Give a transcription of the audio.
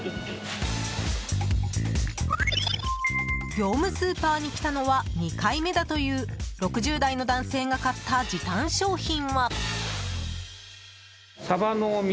業務スーパーに来たのは２回目だという６０代の男性が買った時短商品は。